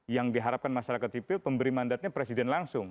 yang diharapkan masyarakat sipil pemberi mandatnya presiden langsung